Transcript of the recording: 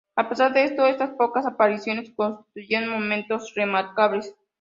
A pesar de esto, estas pocas apariciones constituyeron momentos remarcables.